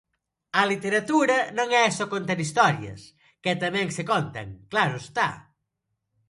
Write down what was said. A literatura non é só contar historias, que tamén se contan, claro está.